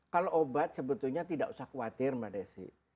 kalau obat sebetulnya tidak usah khawatir mbak desi